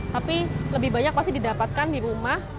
tapi lebih banyak pasti didapatkan di rumah